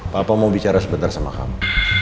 papa mau bicara sebentar sama kamu